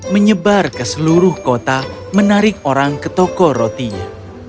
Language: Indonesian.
menyebar ke seluruh kota menarik orang ke tokorotinya